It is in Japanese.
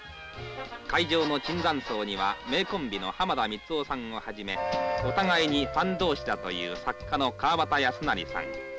会場の椿山荘には名コンビの浜田光夫さんをはじめお互いにファン同士だという作家の川端康成さん。